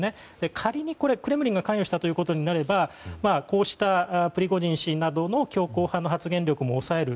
仮にクレムリンが関与したということになればこうしたプリゴジン氏などの強硬派の発言力も抑える。